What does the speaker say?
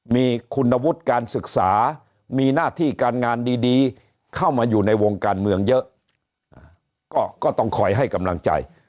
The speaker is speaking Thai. มีคุณวุฒิการศึกษามีหน้าที่การงานดีเข้ามาอยู่ในวงการเมืองเยอะก็ต้องคอยให้กำลังใจ